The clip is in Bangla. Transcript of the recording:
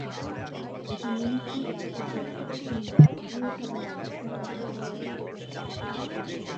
এটি মণিপুর রাজ্য সরকার কিংবা স্থানীয়ভাবে রাজ্য সরকার হিসাবেও পরিচিত।